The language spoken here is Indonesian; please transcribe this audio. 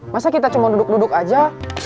masa kita cuma duduk duduk aja